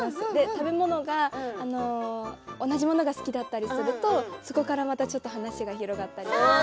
食べ物が同じものが好きだったりするとそこからまたちょっと話が広がったりとか。